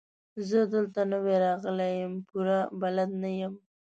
زه دلته نوی راغلی يم، پوره بلد نه يم.